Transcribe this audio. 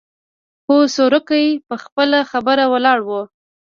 خو سورکی په خپله خبره ولاړ و.